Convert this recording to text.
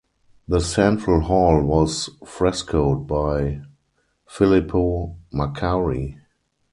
The central hall was frescoed by Filippo Maccari.